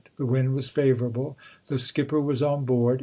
The wind was favor able. The skipper was on board.